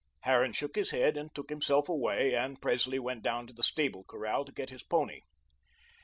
Harran shook his head, and took himself away, and Presley went down to the stable corral to get his pony.